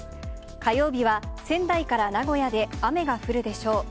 火曜日は仙台から名古屋で雨が降るでしょう。